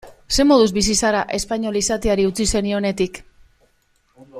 Zer moduz bizi zara espainol izateari utzi zenionetik?